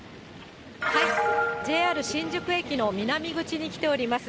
ＪＲ新宿駅の南口に来ております。